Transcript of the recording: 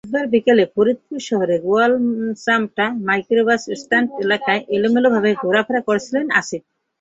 বুধবার বিকেলে ফরিদপুর শহরের গোয়ালচামটে মাইক্রোবাস স্ট্যান্ড এলাকায় এলোমেলোভাবে ঘোরাফেরা করছিল আসিফ।